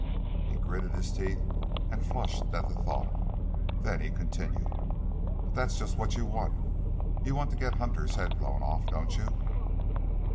He gritted his teeth and flushed at the thought. Then he continued. "But that's just what you want. You want to get Hunter's head blown off, don't you?"